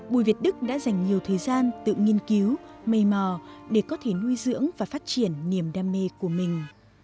bùi việt đức đã dành nhiều thời gian tự nghiên cứu mây mò để có thể nuôi dưỡng và phát triển niềm đam mê của mình